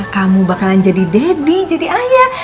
kamu bakalan jadi deddy jadi ayah